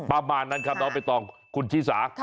ประมาณนั้นครับแล้วไปตรงคุณชีสา